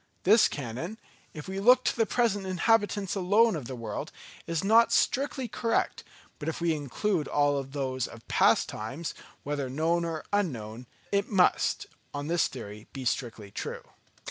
This canon, if we look to the present inhabitants alone of the world, is not strictly correct; but if we include all those of past times, whether known or unknown, it must on this theory be strictly true.